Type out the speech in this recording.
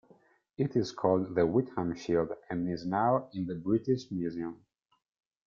It is called the Witham Shield and is now in the British Museum.